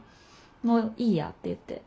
もういいやって言って。